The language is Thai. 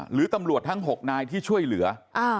หรือตำรวจทั้ง๖นายที่ช่วยเหลือ